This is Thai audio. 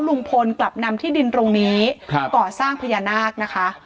ลุงพลกลับนำที่ดินตรงนี้ก่อสร้างพญานาคนะคะ